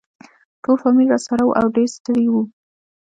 ټول فامیل راسره وو او ډېر ستړي وو.